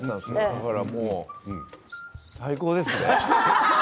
だからもう最高ですね。